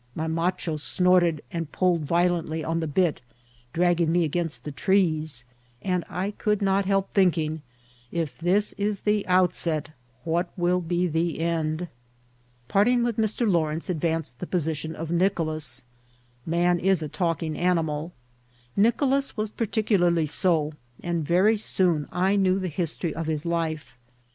My macho snorted and pulled vio lently on the bit, dragging me against the trees ; and I could not help thinking, if this is the outset, what will be the end ? Parting with Mr. Lawrence advanced the positicm of Nicolas. Man is a talking animal ; Nicolas was par ticularly so, and very soon I knew the history of his life.